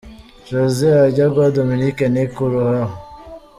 Jose ajya guha Dominic Nic ururabo.